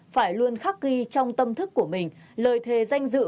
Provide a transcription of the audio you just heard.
phải luôn khắc ghi trong tâm thức của mình lời thề danh dự